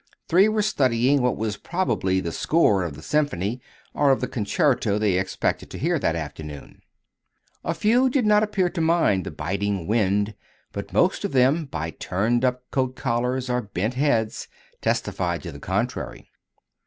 Three were studying what was probably the score of the symphony or of the concerto they expected to hear that afternoon. A few did not appear to mind the biting wind, but most of them, by turned up coat collars or bent heads, testified to the contrary.